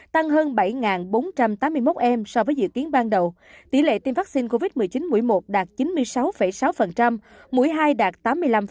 tăng hơn bảy bốn trăm tám mươi một em so với dự kiến ban đầu tỷ lệ tiêm vaccine covid một mươi chín mũi một đạt chín mươi sáu sáu mũi hai đạt tám mươi năm